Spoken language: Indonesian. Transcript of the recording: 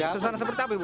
ya susana seperti apa ibu